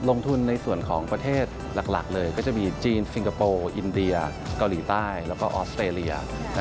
ลงทุนในส่วนของประเทศหลักเลยก็จะมีจีนซิงคโปร์อินเดียเกาหลีใต้แล้วก็ออสเตรเลีย